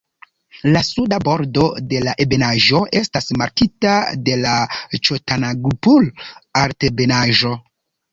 La suda bordo de la ebenaĵo estas markita de la Ĉotanagpur-Altebenaĵo.